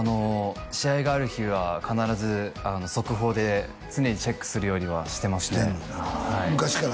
試合がある日は必ず速報で常にチェックするようにはしてますね昔から？